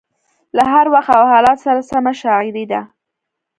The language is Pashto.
له هر وخت او حالاتو سره سمه شاعري ده.